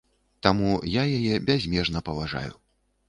Таму я яе бязмежна паважаю.